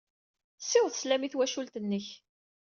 Ssiweḍ sslam i twacult-nnek.